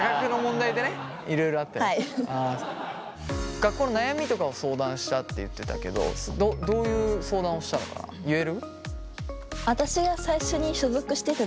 学校の悩みとかを相談したって言ってたけどどういう相談をしたのか言える？